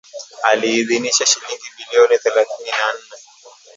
aliidhinisha shilingi bilioni thelathini na nne